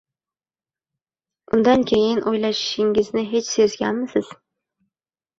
Undan keyin o’ylashingizni hech sezganmisiz?